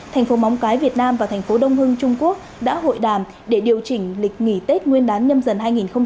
thành phố móng cái việt nam và thành phố đông hưng trung quốc đã hội đàm để điều chỉnh lịch nghỉ tết nguyên đán nhâm dần hai nghìn hai mươi